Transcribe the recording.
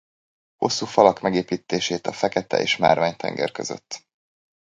Hosszú Falak megépítését a Fekete- és a Márvány-tenger között.